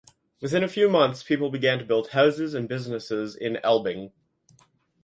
Within a few months people began to build houses and businesses in Elbing.